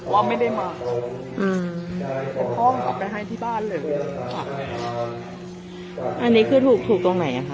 ว่าไม่ได้มาอืมแต่พ่อเขาไปให้ที่บ้านเลยค่ะอันนี้คือถูกถูกตรงไหนอ่ะคะ